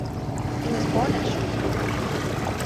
He was born at Shrewsbury.